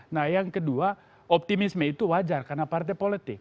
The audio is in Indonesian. nah yang kedua optimisme itu wajar karena partai politik